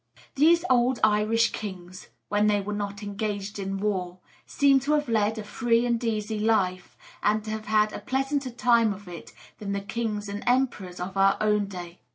These old Irish kings when they were not engaged in war seem to have led a free and easy life, and to have had a pleasanter time of it than the kings and emperors of our own day.